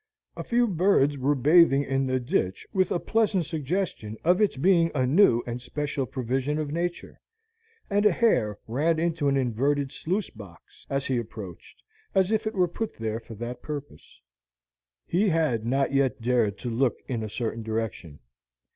A few birds were bathing in the ditch with a pleasant suggestion of its being a new and special provision of nature, and a hare ran into an inverted sluice box, as he approached, as if it were put there for that purpose. He had not yet dared to look in a certain direction.